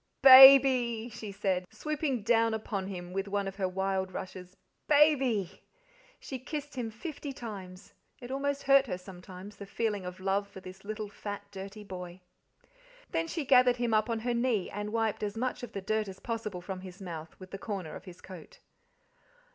"BABY!" she said, swooping down upon him with one of her wild rushes. "BABY!" She kissed him fifty times; it almost hurt her sometimes, the feeling of love for this little fat, dirty boy. Then she gathered him up on her knee and wiped as much of the dirt as possible from his mouth with the corner of his coat.